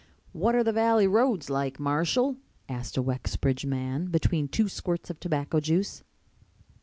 "What are the Valley roads like, Marshall?" asked a Wexbridge man, between two squirts of tobacco juice.